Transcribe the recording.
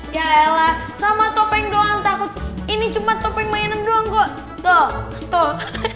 ya lelah sama topeng doang takut ini cuma topeng mainan doang kok tuh